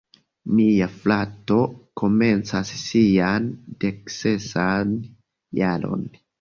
Mia frato komencas sian deksesan jaron.